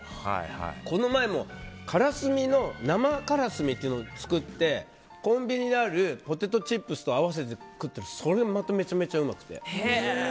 この前も生カラスミを作ってコンビニにあるポテトチップスと合わせて食ったらそれも、めちゃくちゃうまくて。